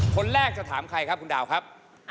คนแรกจะถามใครครับคุณดาวครับ